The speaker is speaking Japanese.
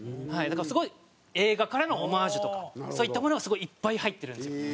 だからすごい映画からのオマージュとかそういったものがすごいいっぱい入ってるんですよ。